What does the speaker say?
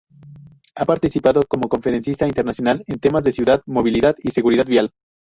Ha participado como conferencista internacional en temas de ciudad, movilidad y seguridad vial.